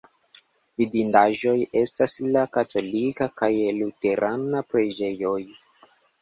Vidindaĵoj estas la katolika kaj luterana preĝejoj.